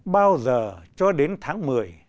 bao giờ cho đến tháng một mươi